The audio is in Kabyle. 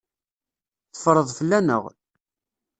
Teffreḍ fell-aneɣ.